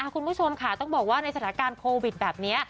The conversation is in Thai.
คุณผู้ชมค่ะต้องบอกว่าในสถานการณ์โควิดแบบนี้